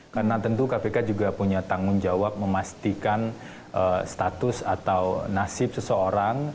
karena tentu kpk juga punya tanggung jawab memastikan status atau nasib seseorang